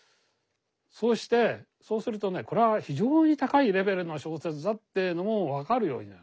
そうしてそうするとねこれは非常に高いレベルの小説だっていうのも分かるようになる。